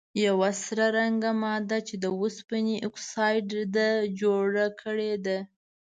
یوه سره رنګې ماده چې د اوسپنې اکسایډ ده جوړه کړي ده.